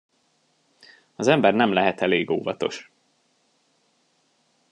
Az ember nem lehet elég óvatos.